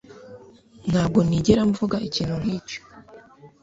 Ntabwo nigera mvuga ikintu nkicyo